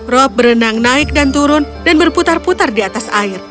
rob berenang naik dan turun dan berputar putar di atas air